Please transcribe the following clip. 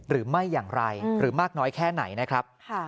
หรือไม่อย่างไรหรือมากน้อยแค่ไหนนะครับ